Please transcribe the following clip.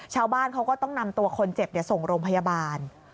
ชาวบ้านเขาก็ต้องนำตัวคนเจ็บส่งโรงพยาบาล